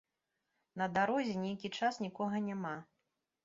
На дарозе нейкі час нікога няма.